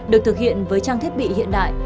được thực hiện với trang thiết bị hiện đại